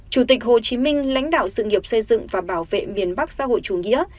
chủ tịch hồ chí minh lãnh đạo sự nghiệp xây dựng và bảo vệ miền bắc xã hội chủ nghĩa